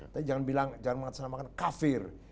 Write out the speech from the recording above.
tapi jangan mengatakan kafir